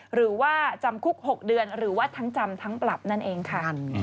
หรือว่าจำคุก๖เดือนหรือว่าทั้งจำทั้งปรับนั่นเองค่ะ